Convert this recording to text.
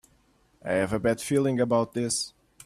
I have a bad feeling about this!